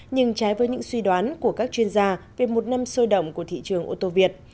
nhưng trái với những suy đoán của các chuyên gia về một năm sôi động của thị trường ô tô việt